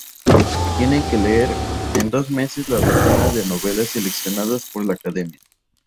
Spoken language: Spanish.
Tienen que leer, en dos meses, la docena de novelas seleccionadas por la Academia.